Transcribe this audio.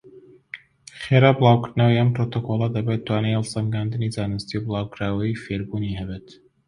خێرا بڵاوکردنەوەی ئەم پڕۆتۆکۆڵە دەبێت توانای هەڵسەنگاندنی زانستی و بڵاوکراوەی فێربوونی هەبێت.